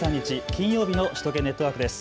金曜日の首都圏ネットワークです。